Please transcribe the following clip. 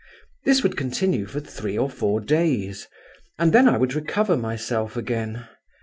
This would continue for three or four days, and then I would recover myself again.